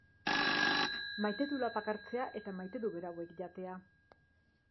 Maite du lapak hartzea eta maite du berauek jatea.